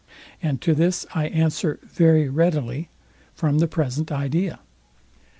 And to this I answer very readily, from the present idea.